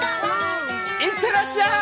いってらっしゃい！